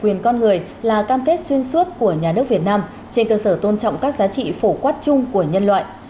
quyền con người là cam kết xuyên suốt của nhà nước việt nam trên cơ sở tôn trọng các giá trị phổ quát chung của nhân loại